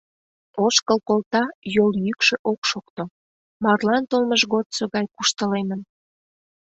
Ошкыл колта — йол йӱкшӧ ок шокто, марлан толмыж годсо гай куштылемын.